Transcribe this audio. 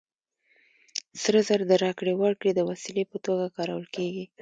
سره زر د راکړې ورکړې د وسیلې په توګه کارول کېږي